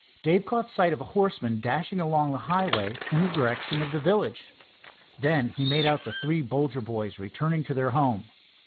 Dave caught sight of a horseman dashing along the highway in the direction of the village. Then he made out the three Bolger boys returning to their home.